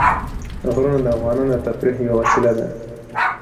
غرونه د افغانانو د تفریح یوه وسیله ده.